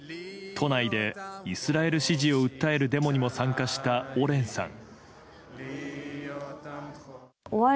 都内でイスラエル支持を訴えるデモにも参加したオレンさん。